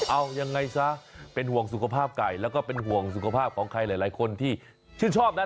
เอายังไงซะเป็นห่วงสุขภาพไก่แล้วก็เป็นห่วงสุขภาพของใครหลายคนที่ชื่นชอบนะ